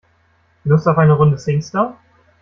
Lust auf eine Runde Singstar?